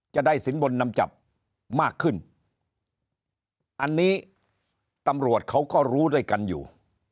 จะได้สินบนนำจับมากขึ้นอันนี้ตำรวจเขาก็รู้ด้วยกันอยู่